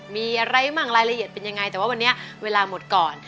มีอะไรมั่งรายละเอียดเป็นยังไงแต่ว่าวันนี้เวลาหมดก่อน